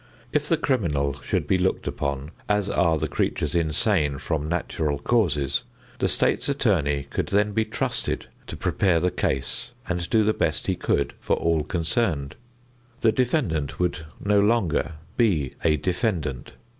If the criminal should be looked upon as are the creatures insane from natural causes, the State's Attorney could then be trusted to prepare the case and do the best he could for all concerned. The defendant would no longer be a defendant.